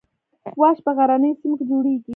واش په غرنیو سیمو کې جوړیږي